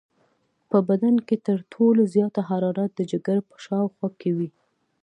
په بدن کې تر ټولو زیاته حرارت د جگر په شاوخوا کې وي.